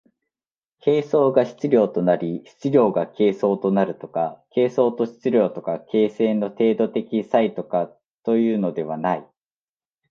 形相が質料となり質料が形相となるとか、形相と質料とか形成の程度的差異とかというのではない。